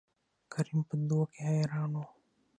کريم په دو کې حيران وو.